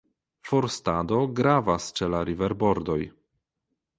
Forstado gravas ĉe la riverbordoj.